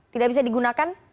tidak bisa digunakan